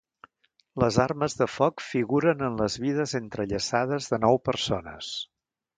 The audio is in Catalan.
Les armes de foc figuren en les vides entrellaçades de nou persones.